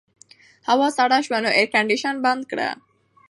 هوا سړه شوه نو اېرکنډیشن بند کړه.